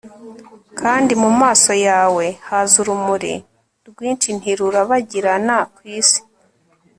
Kandi mumaso yawe haza urumuri rwinshintirurabagirana kwisi